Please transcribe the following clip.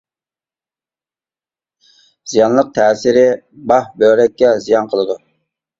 زىيانلىق تەسىرى باھ، بۆرەككە زىيان قىلىدۇ.